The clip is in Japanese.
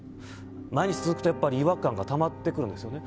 毎日続くとやっぱり違和感がたまってくるんですよね。